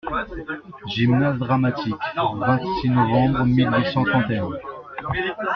Gymnase-Dramatique. — vingt-six novembre mille huit cent trente et un.